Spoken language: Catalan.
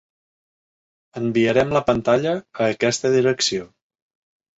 Enviarem la pantalla a aquesta direcció.